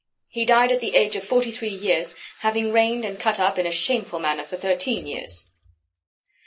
He died at the age of forty three years, having reigned and cut up in a shameful manner for thirteen years.